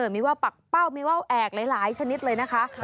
มีว่าวปักเป้ามีว่าวแอกหลายชนิดเลยนะคะ